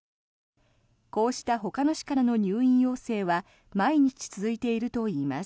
こうしたほかの市からの入院要請は毎日続いているといいます。